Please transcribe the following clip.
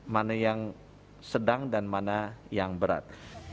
mana yang sedang dan mana yang berat